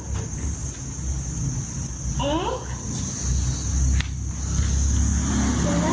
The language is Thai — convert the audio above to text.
กินไหม